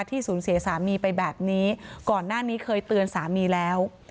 สูญเสียสามีไปแบบนี้ก่อนหน้านี้เคยเตือนสามีแล้ว